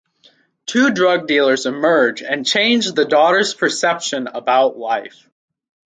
Two drug dealers emerge and change the daughter’s perception about life.